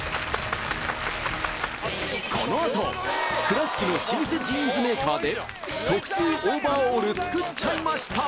このあと倉敷の老舗ジーンズメーカーで特注オーバーオール作っちゃいました！